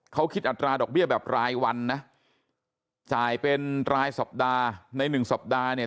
เขาคิดอัตราดอกเบี้ยแบบรายวันนะจ่ายเป็นรายสัปดาห์ในหนึ่งสัปดาห์เนี่ย